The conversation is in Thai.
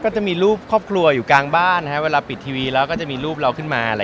สามีเขามีกล้องดีถ่ายรูปดีก็ต้องเข้ามาอวดหน่อย